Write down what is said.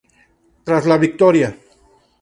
Tras la victoria.